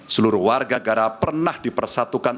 seluruh warga negara pernah dipersatukan